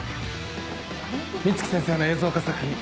美月先生の映像化作品